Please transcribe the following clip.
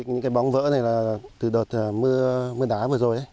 những cái bóng vỡ này là từ đợt mưa đá vừa rồi